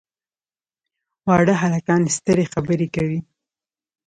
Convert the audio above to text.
واړه هلکان سترې خبرې کوي.